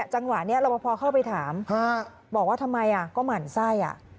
จังหวะนี้รับประพอเข้าไปถามบอกว่าทำไมก็หมั่นไส้